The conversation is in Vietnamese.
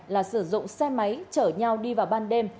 là sử dụng xe máy chở nhau đi vào ban đêm